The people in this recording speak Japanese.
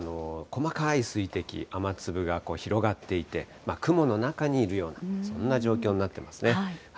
細かい水滴、雨粒が広がっていて、雲の中にいるような、そんな状況になってますね。